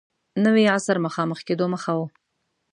نوي عصر مخامخ کېدو مخه و.